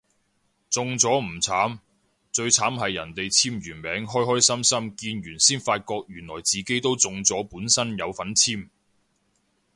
中咗唔慘，最慘係人哋簽完名開開心心見完先發覺原來自己都中咗本身有份簽